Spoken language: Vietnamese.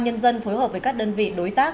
nhân dân phối hợp với các đơn vị đối tác